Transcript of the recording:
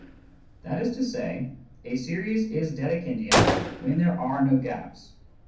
That is to say, a series is Dedekindian when there are no gaps.